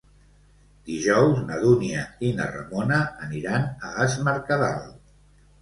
Dijous na Dúnia i na Ramona aniran a Es Mercadal.